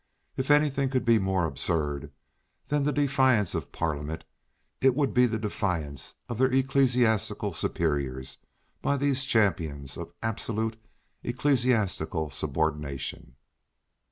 If anything could be more absurd than the defiance of Parliament, it would be the defiance of their ecclesiastical superiors by these champions of absolute ecclesiastical subordination.